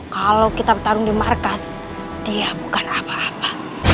kalau kita bertarung di markas dia bukan apa apa